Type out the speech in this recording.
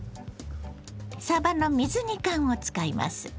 さばの水煮缶を使います。